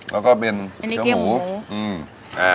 แล้วก็เป็นเกี๊ยวหมูอันนี้เกี๊ยวหมู